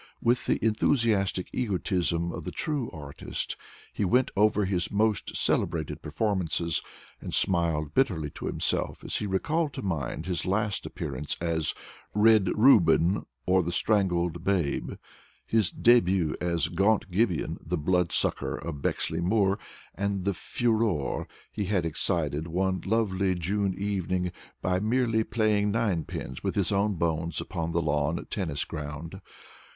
With the enthusiastic egotism of the true artist, he went over his most celebrated performances, and smiled bitterly to himself as he recalled to mind his last appearance as "Red Reuben, or the Strangled Babe," his début as "Gaunt Gibeon, the Blood sucker of Bexley Moor," and the furore he had excited one lovely June evening by merely playing ninepins with his own bones upon the lawn tennis ground.